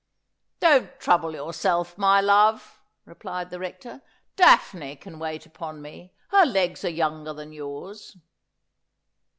'Don't trouble yourself, my love,' replied the Rector ' Daphne can wait upon me. Her legs are younger than yours.'